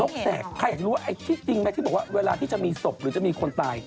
แสกใครอยากรู้ว่าไอ้ที่จริงไหมที่บอกว่าเวลาที่จะมีศพหรือจะมีคนตาย